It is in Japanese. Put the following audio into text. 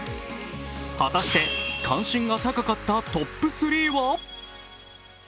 果たして関心が高かったトップ３は？